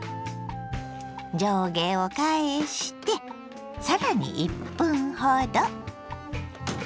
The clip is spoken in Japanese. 上下を返してさらに１分ほど。